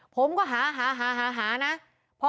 ผมก็หาหานะ